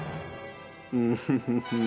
ウフフフフ。